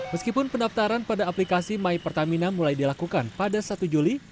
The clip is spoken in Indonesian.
meskipun pendaftaran pada aplikasi my pertamina mulai dilakukan pada satu juli